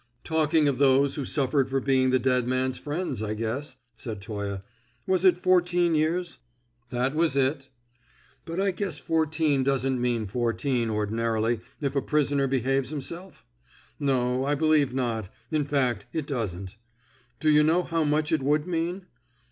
"Talking of those who suffered for being the dead man's friends, I guess," said Toye. "Was it fourteen years?" "That was it." "But I guess fourteen doesn't mean fourteen, ordinarily, if a prisoner behaves himself?" "No, I believe not. In fact, it doesn't." "Do you know how much it would mean?"